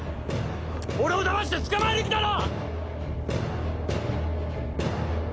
俺をだまして捕まえる気だろ！